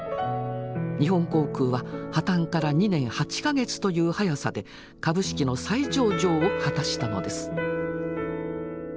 日本航空は破綻から２年８か月という早さで株式の再上場を果たしたのです。